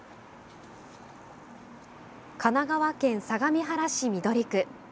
神奈川県相模原市緑区。